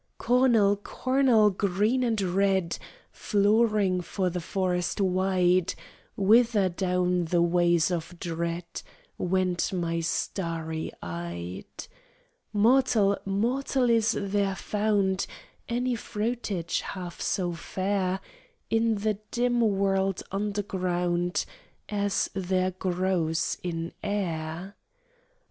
"Cornel, cornel, green and red Flooring for the forest wide, Whither down the ways of dread Went my starry eyed?" "Mortal, mortal, is there found Any fruitage half so fair In the dim world underground As there grows in air?"